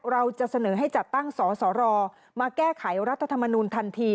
เราจะเสนอให้จัดตั้งสสรมาแก้ไขรัฐธรรมนูลทันที